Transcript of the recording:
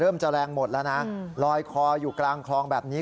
จะแรงหมดแล้วนะลอยคออยู่กลางคลองแบบนี้